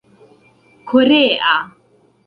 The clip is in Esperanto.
korea